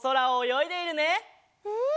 うん！